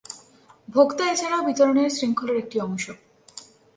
ভোক্তা এছাড়াও বিতরণের শৃঙ্খলের একটি অংশ।